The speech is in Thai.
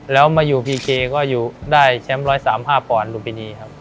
แล้วมาอยู่พีเคก็ได้แชมป์ร้อยสามห้าปอนด์หลู่ภินีครับ